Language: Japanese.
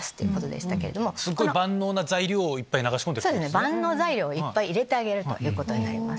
万能材料をいっぱい入れてあげることになります。